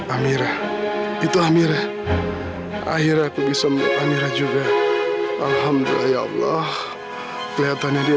amira itu amira akhir aku bisa menemui amira juga alhamdulillah ya allah kelihatannya dia